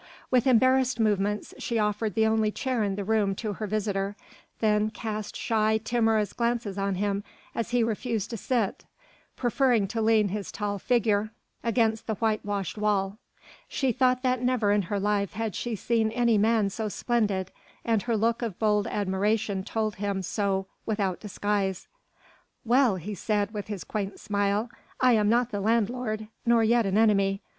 With embarrassed movements she offered the only chair in the room to her visitor, then cast shy, timorous glances on him as he refused to sit, preferring to lean his tall figure against the white washed wall. She thought that never in her life had she seen any man so splendid and her look of bold admiration told him so without disguise. "Well!" he said with his quaint smile, "I am not the landlord, nor yet an enemy.